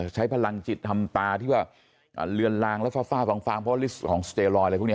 ใช้พลังจิตทำตาที่ว่าเลือนลางแล้วฟ้าฟางเพราะลิสต์ของสเตรอยอะไรพวกนี้